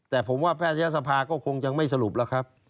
แต่ผมว่าแพทยศภาก็คงยังไม่สรุปแล้วครับ